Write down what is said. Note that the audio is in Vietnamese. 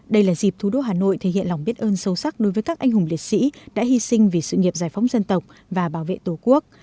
đây là dịp thủ đô hà nội thể hiện lòng biết ơn sâu sắc đối với các anh hùng liệt sĩ đã hy sinh vì sự nghiệp giải phóng dân tộc và bảo vệ tổ quốc